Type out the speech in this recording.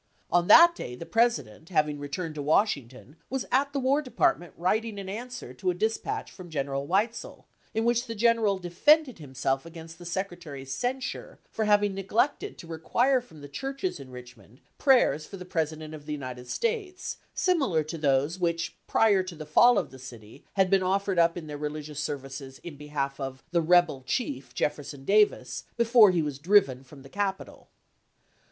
On that day the President, having returned to Washington, was at the War Department writing an answer to a dispatch from General Weitzel, in which the general defended himself against the Secretary's censure for having neglected to require from the churches in Eichmond prayers for the President of the United States similar to those which prior to the fall of the city had been offered up in their religious services in behalf of "the rebel chief, Jefferson Davis, before he was driven from the capital."